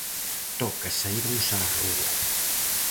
Toca saírmos á rúa.